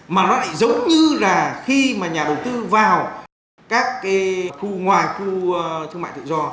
mà nó lại giống như là khi mà nhà đầu tư vào các cái khu ngoài khu thương mại tự do